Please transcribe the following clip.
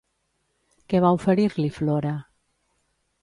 Què va oferir-li Flora?